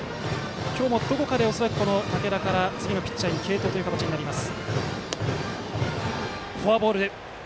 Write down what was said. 今日もどこかで恐らく竹田から次のピッチャーに継投となります。